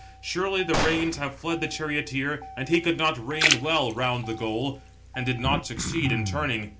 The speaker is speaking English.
Surely the reins have fled the charioteer, and he could not rein well round the goal, and did not succeed in turning.